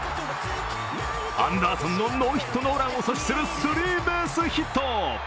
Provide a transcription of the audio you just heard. アンダーソンのノーヒットノーランを阻止するスリーベースヒット。